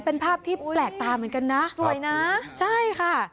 เป็นภาพที่แปลกตาเหมือนกันนะสวยนะใช่ค่ะ